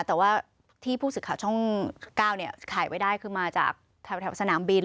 แต่ว่าที่ผู้สื่อข่าวช่อง๙ขายไว้ได้คือมาจากแถวสนามบิน